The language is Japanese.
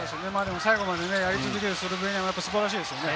最後までやり続けるスロベニアも素晴らしいですね。